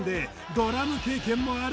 ドラム経験もある